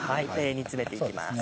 煮詰めていきます。